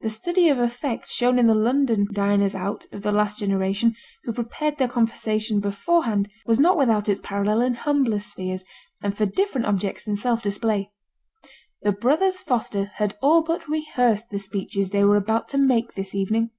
The study of effect shown in the London diners out of the last generation, who prepared their conversation beforehand, was not without its parallel in humbler spheres, and for different objects than self display. The brothers Foster had all but rehearsed the speeches they were about to make this evening.